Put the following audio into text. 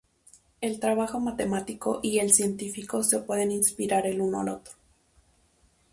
El trabajo matemático y el científico se pueden inspirar el uno al otro.